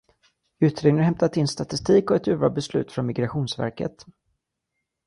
Utredningen har hämtat in statistik och ett urval av beslut från Migrationsverket.